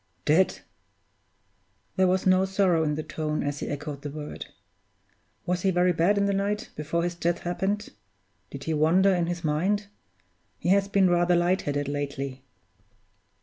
"Dead!" There was no sorrow in the tone as he echoed the word. "Was he very bad in the night before his death happened? Did he wander in his mind? He has been rather light headed lately."